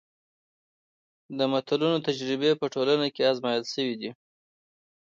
د متلونو تجربې په ټولنه کې ازمایل شوي دي